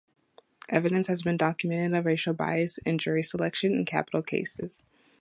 Evidence has been documented of racial bias in jury selection in capital cases.